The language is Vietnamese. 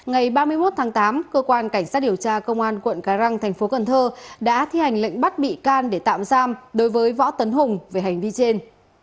ngày ba mươi một tháng tám cơ quan cảnh sát điều tra công an quận cái răng thành phố cần thơ đã thi hành lệnh bắt bị can để tạm giam đối với võ tấn hùng về hành vi trên